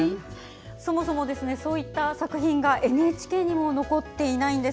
そもそもそういった作品がＮＨＫにも残っていないんです。